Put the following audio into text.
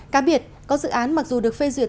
cá biệt có dự án mặc dù được phê duyệt